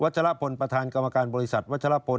วัจฉรพลประธานกรรมการบริษัทวัจฉรพล